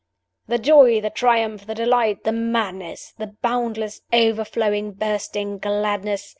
"'The joy, the triumph, the delight, the madness! the boundless, overflowing, bursting gladness!